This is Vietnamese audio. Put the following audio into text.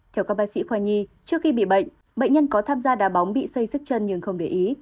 theo các bác sĩ khoai nhi trước khi bị bệnh bệnh nhân có tham gia đá bóng bị xây sức chân nhưng không để ý